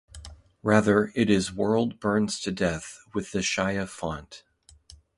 Rather, it is "World Burns to Death" with the Chaya font.